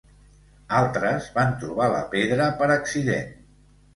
Altres van trobar la pedra per accident.